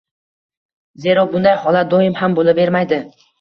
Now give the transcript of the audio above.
Zero, bunday holat doim ham bo‘lavermaydi.